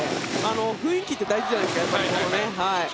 雰囲気って大事じゃないですか。